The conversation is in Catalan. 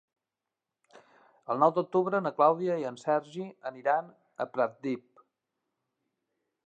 El nou d'octubre na Clàudia i en Sergi aniran a Pratdip.